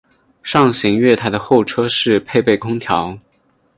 上行月台的候车室配备空调。